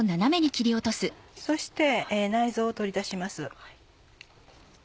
そして内臓を取り出します。